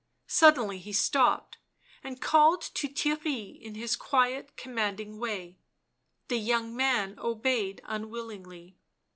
Suddenly he stopped, and called to Theirry in his quiet commanding way. The young man obeyed unwillingly.